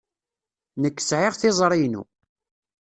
Nekk sɛiɣ tiẓri-inu.